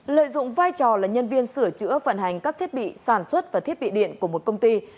lợi dụng vai trò là nhân viên sửa chữa vận hành các thiết bị sản xuất và thiết bị điện của một công ty